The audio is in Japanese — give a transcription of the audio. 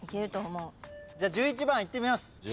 じゃあ１１番いってみます。